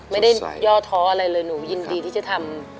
ย่อท้ออะไรเลยหนูยินดีที่จะทำ